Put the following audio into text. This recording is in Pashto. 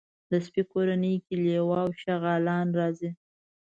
د سپي کورنۍ کې لېوه او شغالان راځي.